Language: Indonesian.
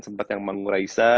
sempat yang manggung raisa